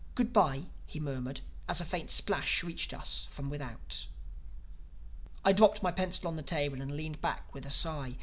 "Good bye!" he murmured as a faint splash reached us from without. I dropped my pencil on the table and leaned back with a sigh.